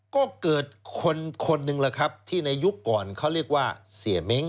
ก็เกิดคนคนหนึ่งแหละครับที่ในยุคก่อนเขาเรียกว่าเสียเม้ง